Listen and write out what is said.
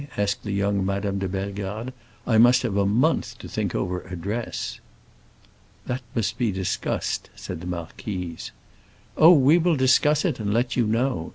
asked young Madame de Bellegarde; "I must have a month to think over a dress." "That must be discussed," said the marquise. "Oh, we will discuss it, and let you know!"